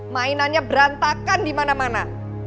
mainannya berantakan di mana mana